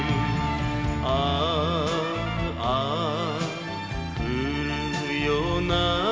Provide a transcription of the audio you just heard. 「ああ降るような」